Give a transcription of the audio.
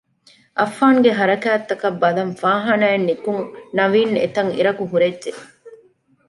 އައްފާންގެ ހަރަކާތްތަކަށް ބަލަން ފާހާނާއިން ނިކުތް ނަވީން އެތަށް އިރަކު ހުރެއްޖެ